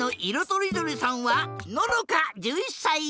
とりどりさんはののか１１さい。